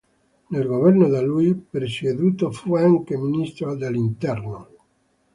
Nel governo da lui presieduto fu anche ministro dell'Interno.